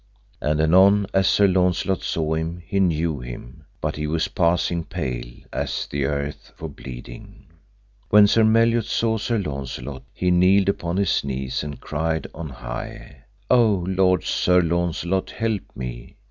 And anon as Sir Launcelot saw him he knew him, but he was passing pale, as the earth, for bleeding. When Sir Meliot saw Sir Launcelot he kneeled upon his knees and cried on high: O lord Sir Launcelot, help me!